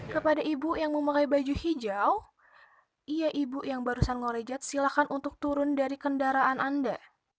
kepada ibu yang memakai baju hijau iya ibu yang barusan ngorejat silakan untuk turun dari kendaraan anda